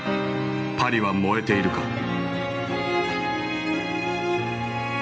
「パリは燃えているか」。